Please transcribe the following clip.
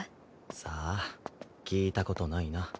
さあ聞いたことないな。